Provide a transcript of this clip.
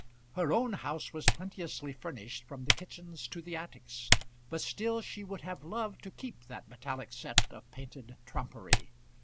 Her own house was plenteously furnished from the kitchens to the attics, but still she would have loved to keep that metallic set of painted trumpery.